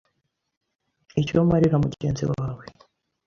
icyo umarira mugenzi wawe.